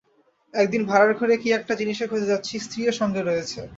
একদিন ভাড়ারঘরে কী একটা জিনিসের খোজে যাচ্ছি, স্ত্রীও সঙ্গে রয়েছে।